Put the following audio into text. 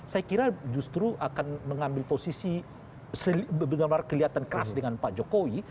saya kira justru akan mengambil posisi benar benar kelihatan keras dengan pak jokowi